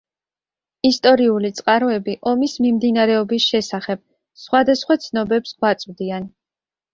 ისტორიული წყაროები ომის მიმდინარეობის შესახებ სხვადასხვა ცნობებს გვაწვდიან.